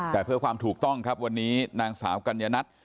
แต่เพื่อความถูกต้องครับวันนี้นางสาวกัญญนัท